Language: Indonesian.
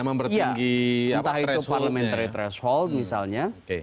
mempertinggi entah itu parlementary threshold misalnya